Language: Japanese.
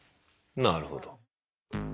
なるほど。